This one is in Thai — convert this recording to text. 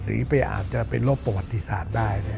หรืออาจจะไปรบปฏิสารที่สาธิต